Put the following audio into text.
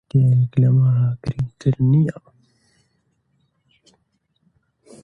هیچ شتێک لەمە گرنگتر نییە.